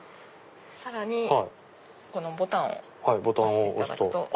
さらにこのボタンを押していただくと。